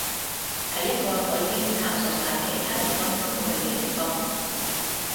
係一個我已經探索晒其他地方先會去嘅地方